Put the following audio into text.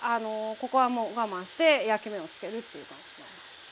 ここはもう我慢して焼き目を付けるっていう感じになります。